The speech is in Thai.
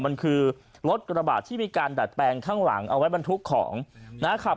มันคือรถกระบาดที่มีการดัดแปลงข้างหลังเอาไว้บรรทุกของนะครับ